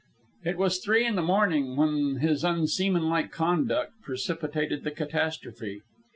It was three in the morning when his unseamanlike conduct precipitated the catastrophe.